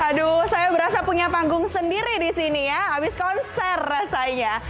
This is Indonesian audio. aduh saya berasa punya panggung sendiri di sini ya habis konser rasanya